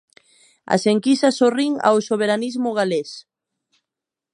As enquisas sorrín ao soberanismo galés.